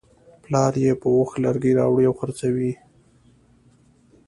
پلار یې په اوښ لرګي راوړي او خرڅوي.